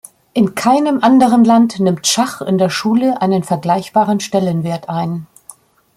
In keinem anderen Land nimmt Schach in der Schule einen vergleichbaren Stellenwert ein.